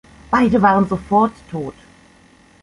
Beide waren sofort tot.